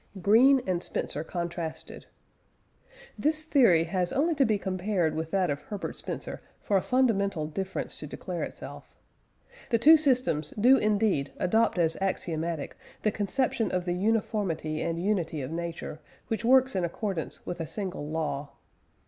GREEN AND SPENCER CONTRASTED. This theory has only to be compared with that of Herbert Spencer for a fundamental difference to declare itself. The two systems do indeed adopt as axiomatic the conception of the uniformity and unity of nature, which works in accordance with a single law.